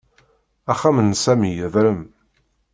Axxam n Sami yedrem